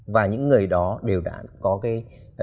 và những người đó đều đã có cái